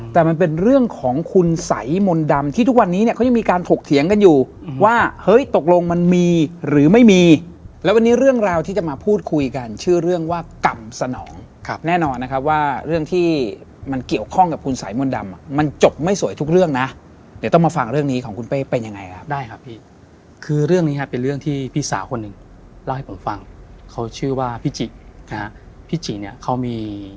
แต่มันเป็นเรื่องของคุณไสมนต์ดำที่ทุกวันนี้เนี่ยเขายังมีการถกเถียงกันอยู่ว่าเฮ้ยตกลงมันมีหรือไม่มีแล้ววันนี้เรื่องราวที่จะมาพูดคุยกันชื่อเรื่องว่ากรรมสนองครับแน่นอนนะครับว่าเรื่องที่มันเกี่ยวข้องกับคุณไสมนต์ดำมันจบไม่สวยทุกเรื่องนะเดี๋ยวต้องมาฟังเรื่องนี้ของคุณเป้เป็นยังไงครับได